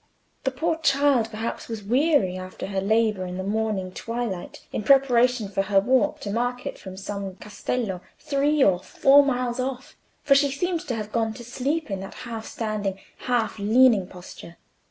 The poor child, perhaps, was weary after her labour in the morning twilight in preparation for her walk to market from some castello three or four miles off, for she seemed to have gone to sleep in that half standing, half leaning posture.